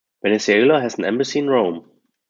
Venezuela has an embassy in Rome.